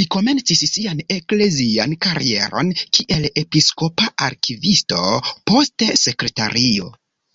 Li komencis sian eklezian karieron kiel episkopa arkivisto, poste sekretario.